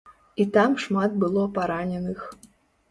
І там шмат было параненых.